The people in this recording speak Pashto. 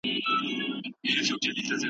خلګ بايد له افراط او تفريط څخه ځان وساتي.